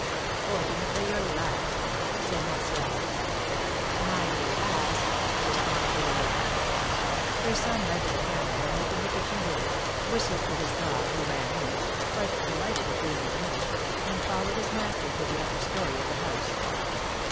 "Fortunately your last!" said Martial. "My last!" responded the widow. Her son lighted a candle, then opened the kitchen door, whistled to his dog, who ran in, quite delighted at being admitted, and followed his master to the upper story of the house.